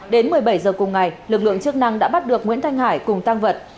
đến một mươi bảy h cùng ngày lực lượng chức năng đã bắt được nguyễn thanh hải cùng tăng vật